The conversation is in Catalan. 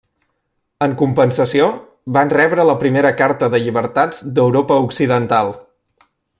En compensació, van rebre la primera carta de llibertats d'Europa occidental.